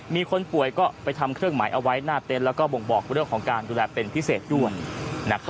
มีคนป่วยก็ไปทำเครื่องหมายเอาไว้หน้าเต็นต์แล้วก็บ่งบอกเรื่องของการดูแลเป็นพิเศษด้วย